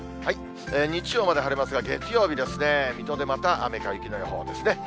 日曜まで晴れますが、月曜日ですね、水戸でまた雨か雪の予報です。